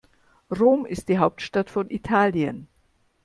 Rom ist die Hauptstadt von Italien.